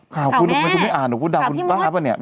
ข่าวแม่ไม่ใช่เหรอกะไว้บ้างครับค่าวแม่